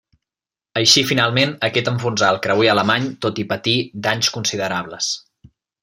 Així finalment aquest enfonsà el creuer alemany tot i patir danys considerables.